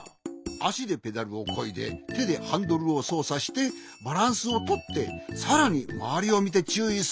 あしでペダルをこいでてでハンドルをそうさしてバランスをとってさらにまわりをみてちゅういする。